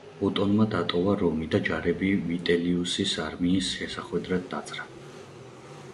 ოტონმა დატოვა რომი და ჯარები ვიტელიუსის არმიის შესახვედრად დაძრა.